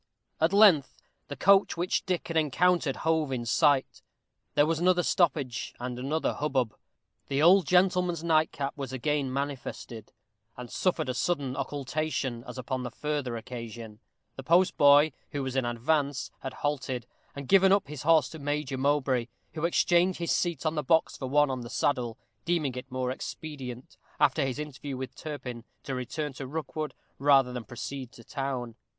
At length the coach which Dick had encountered hove in sight. There was another stoppage and another hubbub. The old gentleman's nightcap was again manifested, and suffered a sudden occultation, as upon the former occasion. The postboy, who was in advance, had halted, and given up his horse to Major Mowbray, who exchanged his seat on the box for one on the saddle, deeming it more expedient, after his interview with Turpin, to return to Rookwood, rather than to proceed to town.